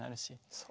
そう。